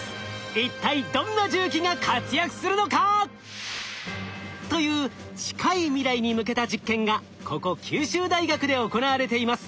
一体どんな重機が活躍するのか！？という近い未来に向けた実験がここ九州大学で行われています。